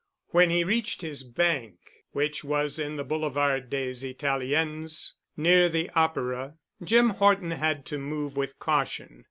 When he reached his bank, which was in the Boulevard des Italiens, near the Opera, Jim Horton had to move with caution.